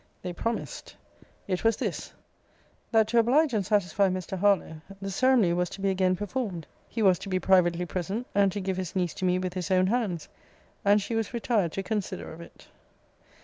They promised. It was this: that to oblige and satisfy Mr. Harlowe, the ceremony was to be again performed. He was to be privately present, and to give his niece to me with his own hands and she was retired to consider of it.